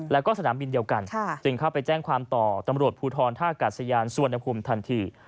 แล้วก็สนามบินเดียวกันจึงเข้าไปแจ้งความต่อตำรวจภูทรท่ากาศยานสุวรรณภูมิทันที